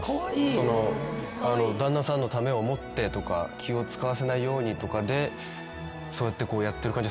旦那さんのためを思ってとか気を使わせないようにとかでそうやってやってる感じ